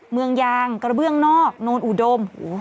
เมืองยางกระเบื้องนอกโนนอุดม